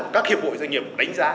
các hiệp hội doanh nghiệp đánh giá